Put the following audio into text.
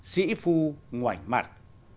sĩ phu ngoảnh mặt